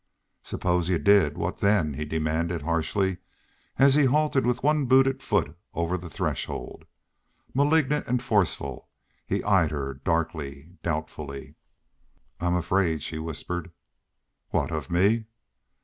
"Suppose y'u did. What then?" he demanded, harshly, as he halted with one booted foot over the threshold. Malignant and forceful, he eyed her darkly, doubtfully. "I'm afraid," she whispered. "What of? Me?"